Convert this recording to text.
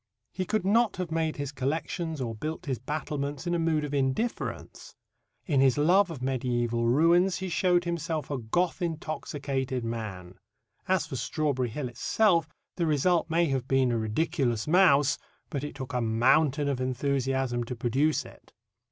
He could not have made his collections or built his battlements in a mood of indifference. In his love of mediæval ruins he showed himself a Goth intoxicated man. As for Strawberry Hill itself, the result may have been a ridiculous mouse, but it took a mountain of enthusiasm to produce it.